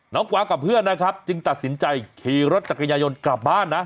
กวางกับเพื่อนนะครับจึงตัดสินใจขี่รถจักรยายนต์กลับบ้านนะ